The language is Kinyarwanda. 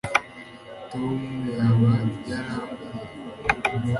tom yaba yarambwiye